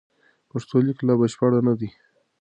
پښتو لیک لا بشپړ نه دی.